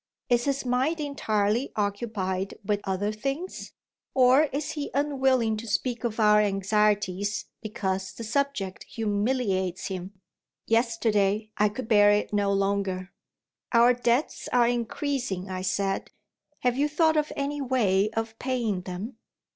Is his mind entirely occupied with other things? Or is he unwilling to speak of our anxieties because the subject humiliates him? Yesterday, I could bear it no longer. "Our debts are increasing," I said. "Have you thought of any way of paying them?"